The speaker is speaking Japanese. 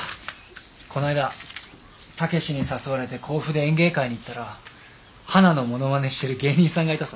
こないだ武に誘われて甲府で演芸会に行ったらはなのものまねしてる芸人さんがいたさ。